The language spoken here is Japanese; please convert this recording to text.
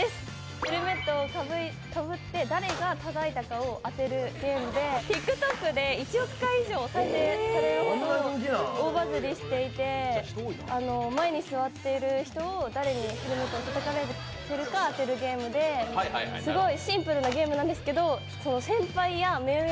ヘルメットをかぶって誰がたたいたかを当てるゲームでこのゲームはＴｉｋＴｏｋで１億回以上再生されるほど大バズりしていて、前に座っている人が誰にヘルメットをたたかれたか当てるゲームで牧場から食卓まで。